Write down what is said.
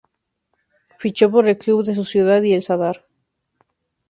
Fichó por el club de su ciudad, el Zadar.